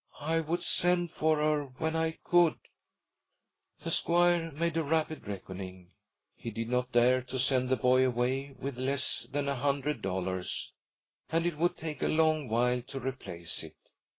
'I would send for her when I could.' The squire made a rapid reckoning. He did not dare to send the boy away with less than a hundred dollars, and it would take a long while to replace it.